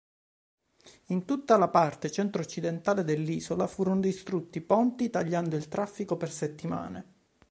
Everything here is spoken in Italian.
In tutta la parte centro-occidentale dell'isola, furono distrutti ponti, tagliando il traffico per settimane.